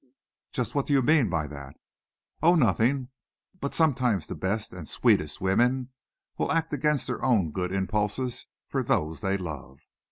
"Just what do you mean by that?" "Oh, nothing. But sometimes the best and sweetest women will act against their own good impulses for those they love."